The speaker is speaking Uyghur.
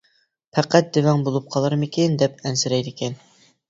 پەقەت دېۋەڭ بولۇپ قالارمىكىن دەپ ئەنسىرەيدىكەن.